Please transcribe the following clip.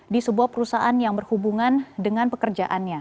di sebuah perusahaan yang berhubungan dengan pekerjaannya